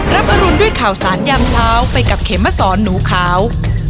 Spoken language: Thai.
รับอรุณด้วยข่าวสารยามเช้าไปกับเขมสอนหนูขาว